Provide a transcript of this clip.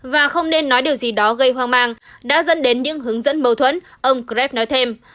và không nên nói điều gì đó gây hoang mang đã dẫn đến những hướng dẫn mâu thuẫn ông greg nói thêm